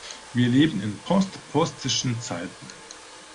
Wir leben in postpostischen Zeiten.